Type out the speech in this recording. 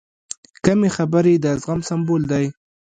کمې خبرې، د زغم سمبول دی.